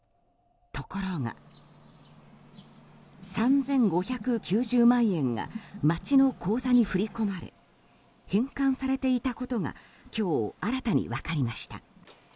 ところが、３５９０万円が町の口座に振り込まれ返還されていたことが今日新たに分かりました。